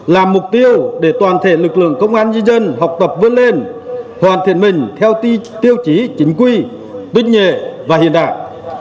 làm mục tiêu để toàn thể lực lượng công an nhân dân học tập vươn lên hoàn thiện mình theo tiêu chí chính quy tuyên nhệ và hiện đại